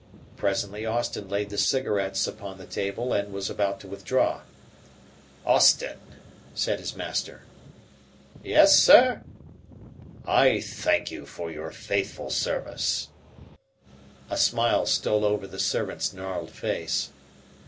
Presently Austin laid the cigarettes upon the table and was about to withdraw. "Austin!" said his master. "Yes, sir?" "I thank you for your faithful service." A smile stole over the servant's gnarled face.